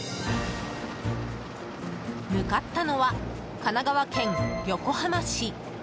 向かったのは神奈川県横浜市。